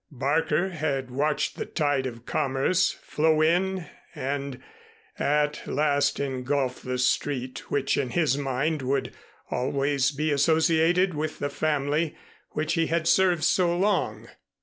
Barker had watched the tide of commerce flow in and at last engulf the street which in his mind would always be associated with the family which he had served so long.